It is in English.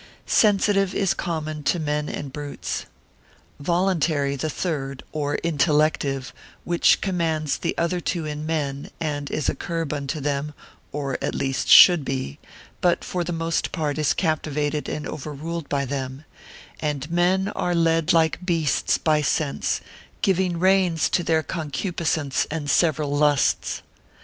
Sensitive is common to men and brutes. Voluntary, the third, or intellective, which commands the other two in men, and is a curb unto them, or at least should be, but for the most part is captivated and overruled by them; and men are led like beasts by sense, giving reins to their concupiscence and several lusts.